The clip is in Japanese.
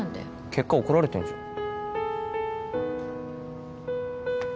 結果怒られてんじゃん